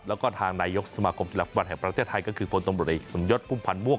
แล้วก็ทางนายกสมาคมธุรกิจกรรมแห่งประเทศไทยก็คือพลตรงบริสมยศภูมิภัณฑ์ม่วง